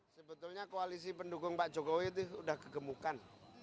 sebetulnya koalisi pendukung pak jokowi itu sudah kegemukan